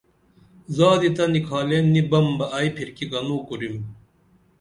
زادی تہ نِکھالین نی بم بہ ائی پِھرکی کنوں کُرِم